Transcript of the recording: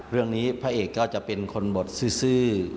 เรื่องนี้ผ้าเอคก็จะเป็นคนบทซื่อ